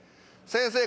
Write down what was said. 先生